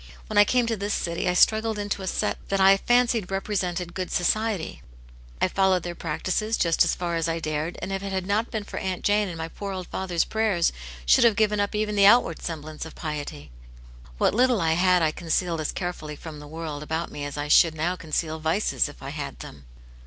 When I came to this city, I struggled into a set that I fancied represented good society ; I followed their practices just as far as I dared, and if it had not been for Aunt Jane and my poor old father's prayers, should have given up even the outward semblance of piety. What little I had I concealed as carefully from the world about me as I should now conceal vices, if I had them."